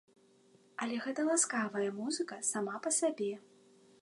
Але гэта ласкавая музыка сама па сабе.